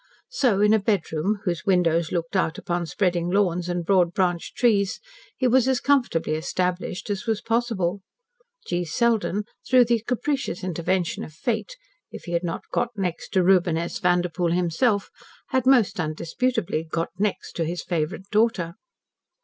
So, in a bedroom whose windows looked out upon spreading lawns and broad branched trees, he was as comfortably established as was possible. G. Selden, through the capricious intervention of Fate, if he had not "got next" to Reuben S. Vanderpoel himself, had most undisputably "got next" to his favourite daughter.